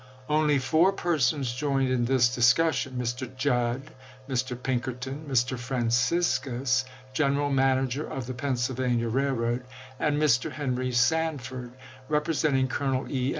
Only four persons joined in this discussion — Mr. Judd, Mr. Pinkerton, Mr. Franciscus, General Manager of the Pennsylvania Railroad, and Mr. Henry San ford, representing Colonel E.